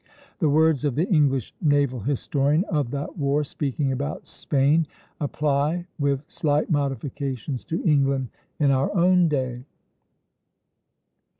The words of the English naval historian of that war, speaking about Spain, apply with slight modifications to England in our own day.